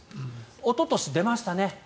おととし、出ましたね。